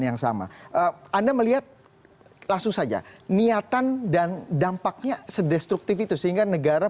yang sama anda melihat langsung saja niatan dan dampaknya sedestruktif itu sehingga negara